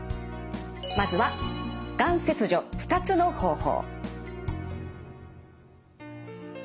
まずはがん切除ふたつの方法。